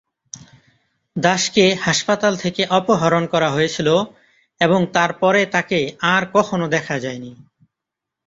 দাসকে হাসপাতাল থেকে অপহরণ করা হয়েছিল এবং তার পরে তাকে আর কখনও দেখা যায়নি।